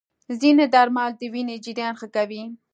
ځینې درمل د وینې جریان ښه کوي.